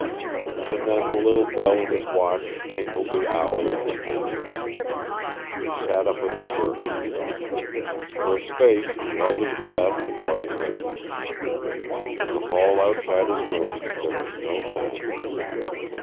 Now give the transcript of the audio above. And then the little bell in his watch tinkled the hour of ten! He sat up with a jerk. For a space he held his breath while he listened. In the hall outside his room there was no sound.